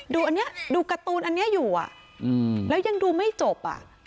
ดูการ์ตูนอันนี้อยู่แล้วยังดูไม่จบ